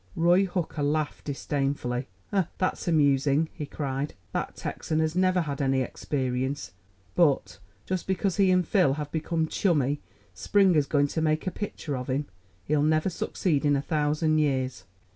Roy Hooker laughed disdainfully. "Oh, that's amusing!" he cried. "That Texan has never had any experience, but, just because he and Phil have become chummy, Springer's going to make a pitcher out of him. He'll never succeed in a thousand years."